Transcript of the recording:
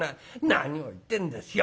「何を言ってんですよ。